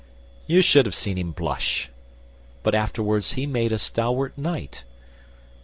You should have seen him blush; but afterwards He made a stalwart knight.